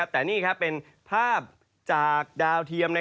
แต่นี่เป็นภาพจากดาวเทียม